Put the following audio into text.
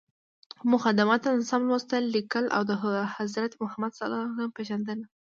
موخه: د متن سم لوستل، ليکل او د حضرت محمد ﷺ پیژندنه.